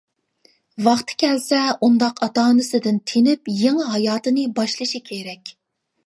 ۋاقتى كەلسە ئۇنداق ئاتا-ئانىسىدىن تېنىپ يېڭى ھاياتىنى باشلىشى كېرەك.